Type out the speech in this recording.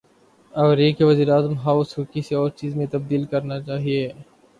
اوریہ کہ وزیراعظم ہاؤس کو کسی اورچیز میں تبدیل کرنا چاہیے۔